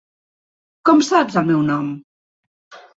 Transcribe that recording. Com saps el meu nom?